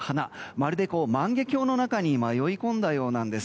まるで万華鏡の中に迷い込んだようなんです。